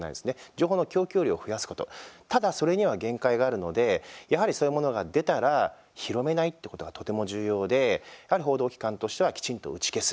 情報の供給量を増やすことただ、それには限界があるのでやはり、そういうものが出たら広めないってことがとても重要でやはり報道機関としてはきちんと打ち消す。